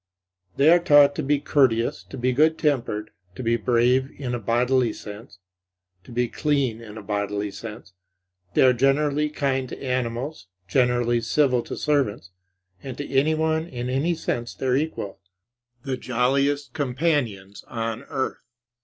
They are taught to be courteous, to be good tempered, to be brave in a bodily sense, to be clean in a bodily sense; they are generally kind to animals, generally civil to servants, and to anyone in any sense their equal, the jolliest companions on earth.